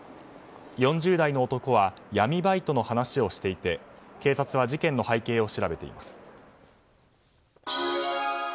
４０代の男は闇バイトの話をしていて警察は事件の背景を調べています。